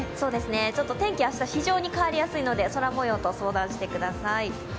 ちょっと天気、明日は非常に変わりやすいので空模様と相談してください。